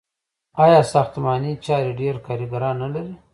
آیا ساختماني چارې ډیر کارګران نلري؟